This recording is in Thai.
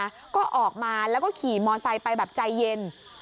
แล้วก็ออกมาแล้วก็ขี่มอไซค์ไปแบบใจเย็น